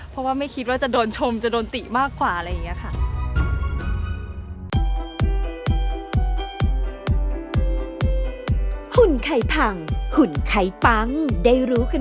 เพราะว่าไม่คิดว่าจะโดนชมจะโดนติมากกว่าอะไรอย่างนี้ค่ะ